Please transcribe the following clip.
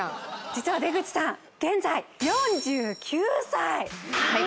実は出口さん現在４９歳はい